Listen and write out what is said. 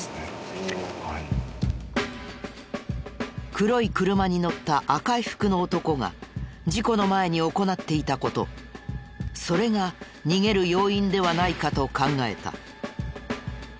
黒い車に乗った赤い服の男が事故の前に行っていた事それが逃げる要因ではないかと考えた。